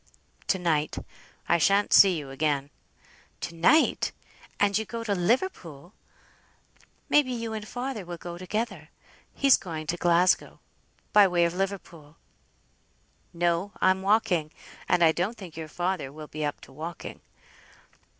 "To night. I shan't see you again." "To night! and you go to Liverpool! May be you and father will go together. He's going to Glasgow, by way of Liverpool." "No! I'm walking; and I don't think your father will be up to walking."